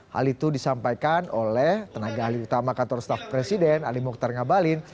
hal itu disampaikan oleh tenaga ahli utama kantor staf presiden ali mokhtar ngabalin